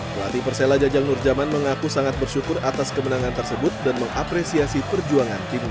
pelatih persela jajang nurjaman mengaku sangat bersyukur atas kemenangan tersebut dan mengapresiasi perjuangan timnya